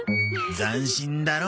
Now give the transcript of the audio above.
斬新だろ？